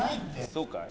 そうかい？